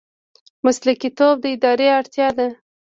مسلکي توب د ادارې اړتیا ده